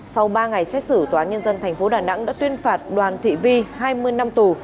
sau ba ngày xét xử tnth đà nẵng đã tuyên phạt đoàn thị vi hai mươi năm tù